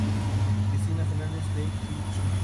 Tavárez estudió bajo la guía de Auber y D'Albert.